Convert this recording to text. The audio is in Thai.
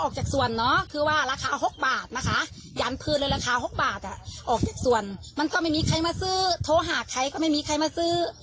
ออกจากสวนมันก็ไม่มีใครมาซื้อโทรหาใครก็ไม่มีใครมาซื้อ